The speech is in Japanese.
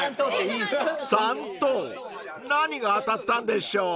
［３等何が当たったんでしょう？］